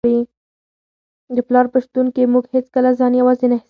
د پلار په شتون کي موږ هیڅکله ځان یوازې نه احساسوو.